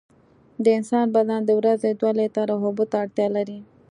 د انسان بدن د ورځې دوه لېټره اوبو ته اړتیا لري.